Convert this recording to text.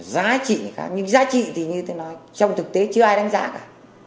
giá trị thì khác nhưng giá trị thì như tôi nói trong thực tế chưa ai đánh giá cả